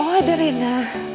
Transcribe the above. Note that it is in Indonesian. oh ada rena